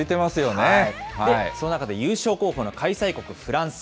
その中で優勝候補の開催国フランス。